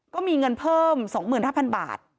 ก็มีเงินเพิ่มสองหมื่นห้าพันบาท